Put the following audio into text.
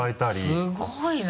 すごいな！